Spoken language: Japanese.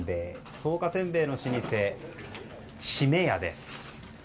草加せんべいの老舗、志免屋です。